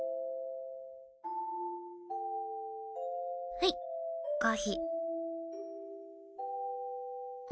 はいコーヒー。